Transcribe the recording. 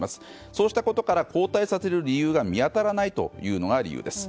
そうしたことから交代させる理由が見当たらないというのが理由です。